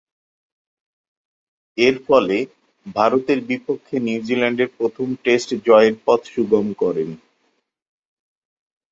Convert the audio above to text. এরফলে, ভারতের বিপক্ষে নিউজিল্যান্ডের প্রথম টেস্ট জয়ের পথ সুগম করেন।